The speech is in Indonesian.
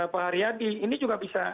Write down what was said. pak haryadi ini juga bisa